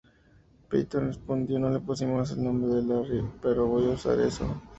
Peyton respondió: "No le pusimos el nombre de Larry, pero voy a usar eso.